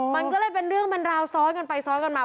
มันก็เลยเป็นเรื่องเป็นราวซ้อนกันไปซ้อนกันมา